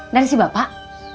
dari si bapak